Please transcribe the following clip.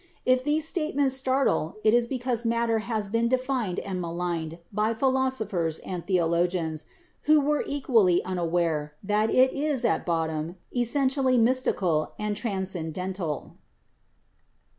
If these statements startle, it is because matter has been defined and maligned by philosophers and theologians, who were equally unaware that it is, at bottom, essentially mystical and transcen dental."